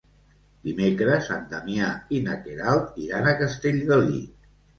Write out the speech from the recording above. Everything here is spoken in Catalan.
Dimecres en Damià i na Queralt iran a Castellgalí.